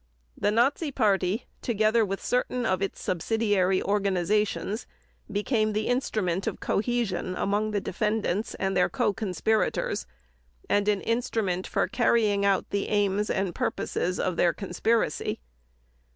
The Nazi Party, together with certain of its subsidiary organizations, became the instrument of cohesion among the defendants and their co conspirators and an instrument for the carrying out of the aims and purposes of their conspiracy.